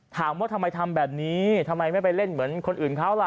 ถามว่าทำไมทำแบบนี้ทำไมไม่ไปเล่นเหมือนคนอื่นเขาล่ะ